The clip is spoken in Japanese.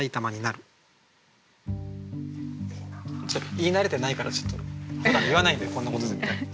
言い慣れてないからちょっとふだん言わないんでこんなこと絶対。